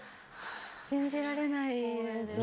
信じられないです